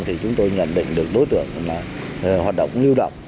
thì chúng tôi nhận định được đối tượng là hoạt động lưu động